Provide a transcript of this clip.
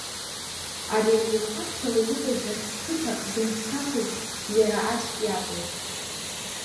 Ари амҩахәасҭала иныҟәо рахь зқыҭа змыԥсахыз иара аӡәк иакәын.